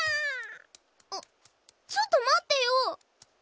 あっちょっと待ってよ！